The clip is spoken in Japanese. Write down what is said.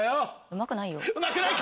うまくないか！